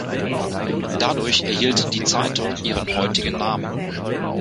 Dadurch erhielt die Zeitung ihren heutigen Namen.